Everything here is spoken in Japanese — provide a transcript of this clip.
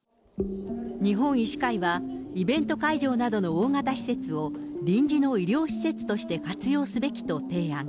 日本医師会は、イベント会場などの大型施設を、臨時の医療施設として活用すべきと提案。